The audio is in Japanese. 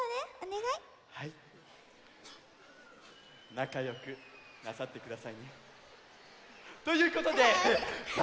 なかよくなさってくださいね。ということでさあ